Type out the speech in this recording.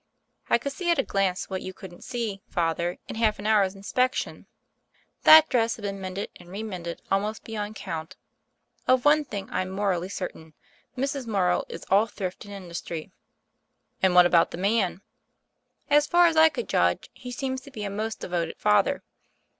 I could see at a glance what you couldn't see, Father, in half an hour's inspection: That dress had been mended and re mended almost beyond count. Of one thing I'm morally certain — Mrs. Mor row is all thrift and industry." "And what about the man?" "As far as I could judge he seems to be a most devoted father.